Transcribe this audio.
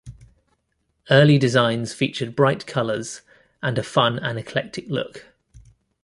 Early designs featured bright colors and a fun and eclectic look.